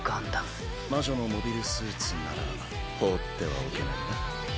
魔女のモビルスーツなら放ってはおけないな。